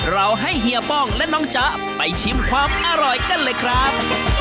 เราให้เฮียป้องและน้องจ๊ะไปชิมความอร่อยกันเลยครับ